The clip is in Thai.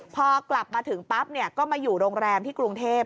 พอกลับมาถึงปั๊บก็มาอยู่โรงแรมที่กรุงเทพ